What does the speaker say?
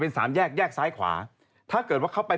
ซึ่งตอน๕โมง๔๕นะฮะทางหน่วยซิวได้มีการยุติการค้นหาที่